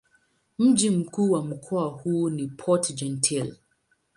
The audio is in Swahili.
Mji mkuu wa mkoa huu ni Port-Gentil.